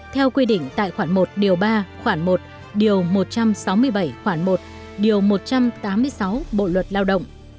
theo quy định tại khoản một điều ba khoản một điều một trăm sáu mươi bảy khoản một điều một trăm tám mươi sáu bộ luật lao động